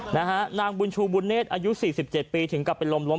นางบุญชูบุณเนศอายุ๔๗ปีถึงกลับไปลมพับ